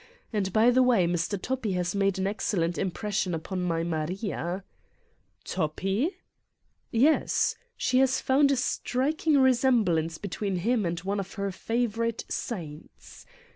And, by the way, Mr. Toppi has made an excellent im pression upon my Maria" ' "Toppi?" "Yes. She has found a striking resemblance between him and one of her favorite saints.